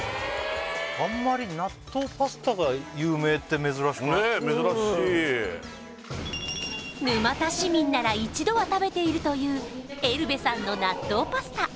あんまりねえ珍しい沼田市民なら一度は食べているというエルベさんの納豆パスタ